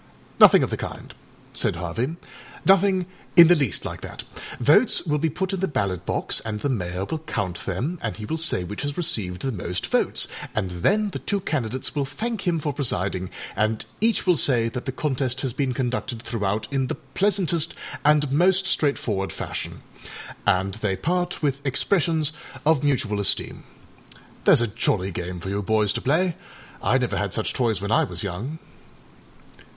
âNothing of the kind,â said Harvey, ânothing in the least like that. Votes will be put in the ballot box, and the Mayor will count themâand he will say which has received the most votes, and then the two candidates will thank him for presiding, and each will say that the contest has been conducted throughout in the pleasantest and most straightforward fashion, and they part with expressions of mutual esteem. Thereâs a jolly game for you boys to play. I never had such toys when I was young.